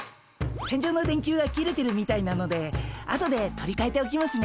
天井の電球が切れてるみたいなので後で取りかえておきますね。